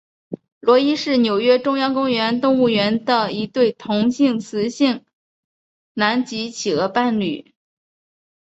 罗伊是纽约中央公园动物园的一对同性雄性南极企鹅伴侣。